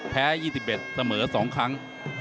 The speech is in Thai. แพ้๒๑เสมอ๒ครั้ง